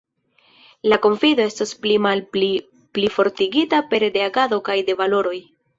La konfido estos pli malpli plifortigita pere de agado kaj de valoroj.